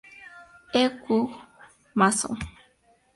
E. W. Mason.